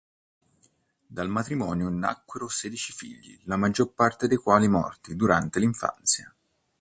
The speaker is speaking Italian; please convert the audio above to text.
Dal matrimonio nacquero sedici figli, la maggior parte dei quali morti durante l'infanzia.